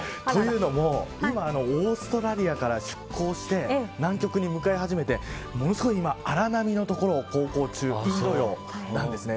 というのも今オーストラリアから出航して南極に向かい始めてものすごい今、荒波の所を航行中なんですね。